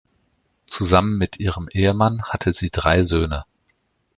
Zusammen mit ihrem Ehemann hatte sie drei Söhne.